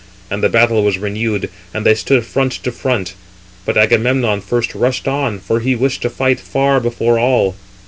And the battle was renewed, and they stood front to front. But Agamemnon first rushed on, for he wished to fight far before all.